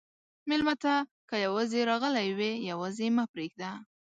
مېلمه ته که یواځې راغلی وي، یواځې مه پرېږده.